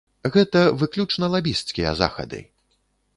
Гэта выключна лабісцкія захады.